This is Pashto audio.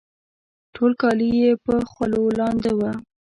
ټول کالي یې په خولو لانده وه